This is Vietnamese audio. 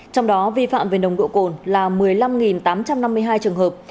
trong đó vi phạm về nồng độ cồn là một mươi năm tám trăm năm mươi hai trường hợp